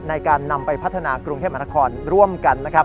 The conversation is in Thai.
ในการนำไปพัฒนากรุงเทพมารคอลร่วมกัน